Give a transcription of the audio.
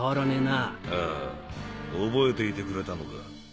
ああ覚えていてくれたのか。